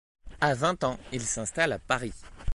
À vingt ans, il s'installe à Paris.